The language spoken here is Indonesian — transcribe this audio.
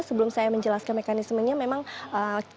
sebelum saya menjelaskan mekanismenya memang calon wakil presiden